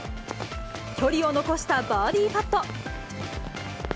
距離を残したバーディーパット。